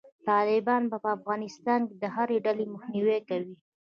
طالبان به په افغانستان کې د هري ډلې مخنیوی کوي.